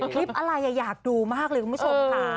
คลิปอะไรอยากดูมากเลยคุณผู้ชมค่ะ